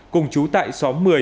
cùng chú tại xóm một mươi